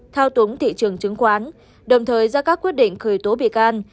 thao túng thị trường chứng khoán đồng thời ra các quyết định khởi tố bị can